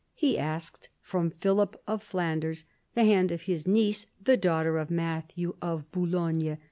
He asked from Philip of Flanders the hand of his niece, the daughter of Matthew of Boulogne.